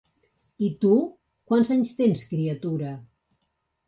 I tu, quants anys tens, criatura!